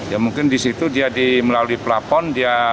ya mungkin di situ dia melalui plafon